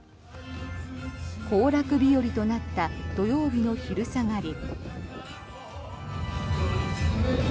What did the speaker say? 行楽日和となった土曜日の昼下がり。